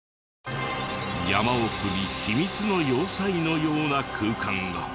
山奥に秘密の要塞のような空間が。